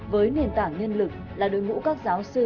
với nền tảng nhân lực là đội ngũ các giáo sư